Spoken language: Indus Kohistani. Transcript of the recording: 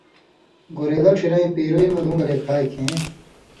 گورېلہ ڇھیرَیں پیروئ مہ لُوں گلے کھائ کھیں